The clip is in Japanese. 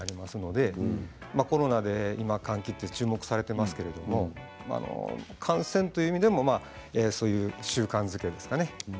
今、コロナで換気も注目されていますが感染という意味でもそういう習慣づけですかね。